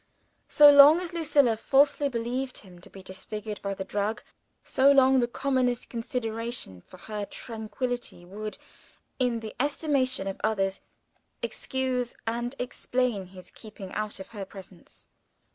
So long as Lucilla falsely believed him to be disfigured by the drug, so long the commonest consideration for her tranquillity would, in the estimation of others, excuse and explain his keeping out of her presence.